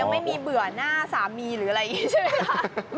อ๋อยังไม่มีเบื่อหน้าสามีหรืออะไรอีกใช่ไหมคะ